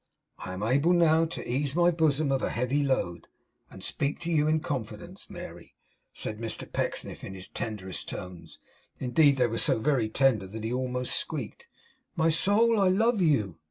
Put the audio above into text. I am able now to ease my bosom of a heavy load, and speak to you in confidence. Mary,' said Mr Pecksniff in his tenderest tones, indeed they were so very tender that he almost squeaked: 'My soul! I love you!